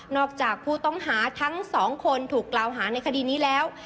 จากผู้ต้องหาทั้งสองคนถูกกล่าวหาในคดีนี้แล้ว